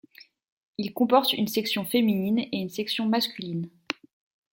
Il comporte une section féminine et une section masculine.